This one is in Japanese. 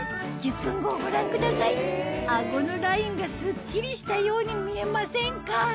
１０分後をご覧ください顎のラインがスッキリしたように見えませんか？